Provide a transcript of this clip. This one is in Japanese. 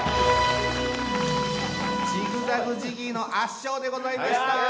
ジグザグジギーの圧勝でございました。